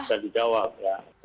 itu bisa dijawab ya